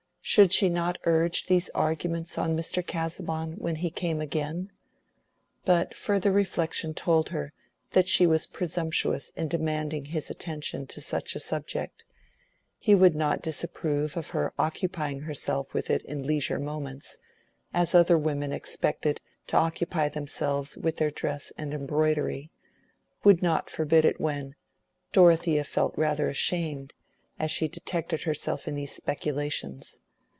Should she not urge these arguments on Mr. Casaubon when he came again? But further reflection told her that she was presumptuous in demanding his attention to such a subject; he would not disapprove of her occupying herself with it in leisure moments, as other women expected to occupy themselves with their dress and embroidery—would not forbid it when—Dorothea felt rather ashamed as she detected herself in these speculations.